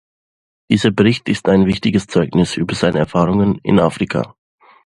Dieser Bericht ist ein wichtiges Zeugnis über seine Erfahrungen in Afrika.